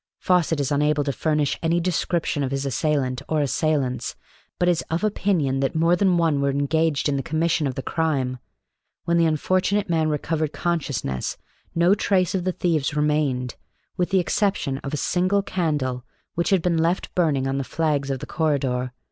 Fawcett is unable to furnish any description of his assailant or assailants, but is of opinion that more than one were engaged in the commission of the crime. When the unfortunate man recovered consciousness, no trace of the thieves remained, with the exception of a single candle which had been left burning on the flags of the corridor.